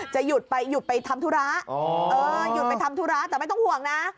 หยุดไปหยุดไปทำธุระหยุดไปทำธุระแต่ไม่ต้องห่วงนะ